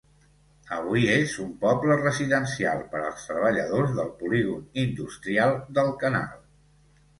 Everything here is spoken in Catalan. Avui és un poble residencial per als treballadors del polígon industrial del canal.